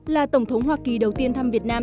là tổng thống hoa kỳ đầu tiên thăm việt nam